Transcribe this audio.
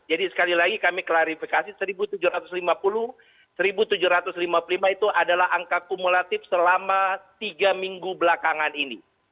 jadi sekali lagi kami klarifikasi satu tujuh ratus lima puluh satu tujuh ratus lima puluh lima itu adalah angka kumulatif selama tiga minggu belakangan ini